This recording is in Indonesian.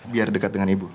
biar dekat dengan ibu